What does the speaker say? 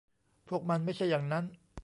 พวกมันไม่ใช่อย่างนั้น